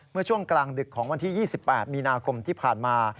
เมื่อช่วงกลางดึกของวันที่๒๘มีนาคมที่ผ่านมา